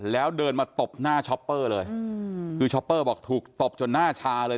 แล้วเดินมาตบหน้าช็อปเปอร์เลยคือช้อปเปอร์บอกถูกตบจนหน้าชาเลย